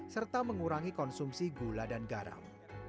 serta mengurangi konsumsi gula dan garam